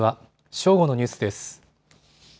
正午のニュースです。